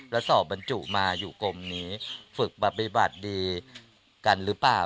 แล้วสอบบรรจุมาอยู่กรมนี้ฝึกปฏิบัติดีกันหรือเปล่า